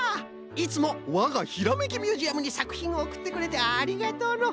いつもわがひらめきミュージアムにさくひんをおくってくれてありがとうの。